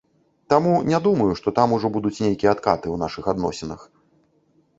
Таму не думаю, што там ужо будуць нейкія адкаты ў нашых адносінах.